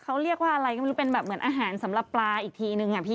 เขาเรียกว่าอะไรก็ไม่รู้เป็นแบบเหมือนอาหารสำหรับปลาอีกทีนึงอะพี่